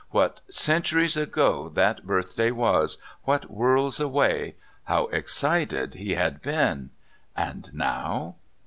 What centuries ago that birthday was, what worlds away! How excited he had been, and now